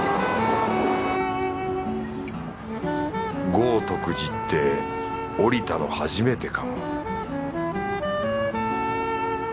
豪徳寺って降りたの初めてかも